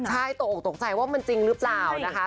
ใช่ตกออกตกใจว่ามันจริงหรือเปล่านะคะ